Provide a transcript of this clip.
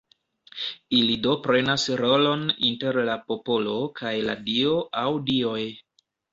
Ili do prenas rolon inter la popolo kaj la Dio aŭ Dioj.